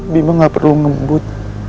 bima gak perlu ngebut